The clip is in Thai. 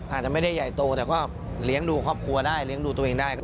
อาจจะไม่ได้ใหญ่โตแต่ก็เลี้ยงดูครอบครัวได้เลี้ยงดูตัวเองได้